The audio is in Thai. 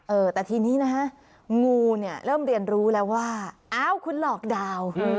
เออแต่ทีนี้นะฮะงูเนี่ยเริ่มเรียนรู้แล้วว่าอ้าวคุณหลอกดาวน์